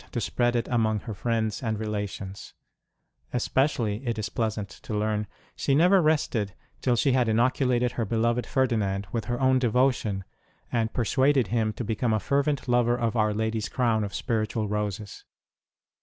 ROSE OF LIMA to spread it among her friends and relations : especially, it is pleasant to learn, she never rested till she had inoculated her beloved Ferdinand with her own devotion, and persuaded him to become a fervent lover of Our Lady s Crown of Spiritual Roses.